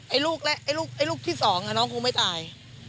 ไอ้ลูกแรกไอ้ลูกไอ้ลูกที่สองอ่ะน้องคงไม่ตาย